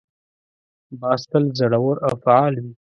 باز تل زړور او فعال وي